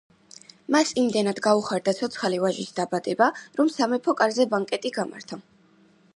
მას იმდენად გაუხარდა ცოცხალი ვაჟის დაბადება, რომ სამეფო კარზე ბანკეტი გამართა.